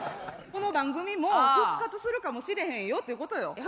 この番組も復活するかもしれへんよっていうことよ。